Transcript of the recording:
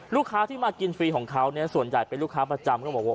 ลูกค้าที่มากินฟรีของเขาเนี่ยส่วนใหญ่เป็นลูกค้าประจำก็บอกว่า